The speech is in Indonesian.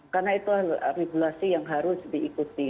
karena itu regulasi yang harus diikuti